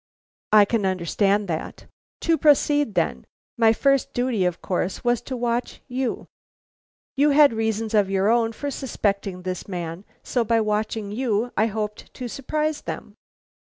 "I can understand that. To proceed then; my first duty, of course, was to watch you. You had reasons of your own for suspecting this man, so by watching you I hoped to surprise them."